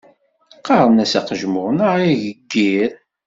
Qqaren-as aqejmur neɣ ageyyir.